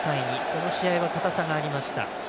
この試合は、かたさがありました。